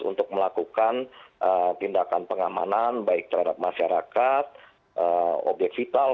untuk melakukan tindakan pengamanan baik terhadap masyarakat obyek vital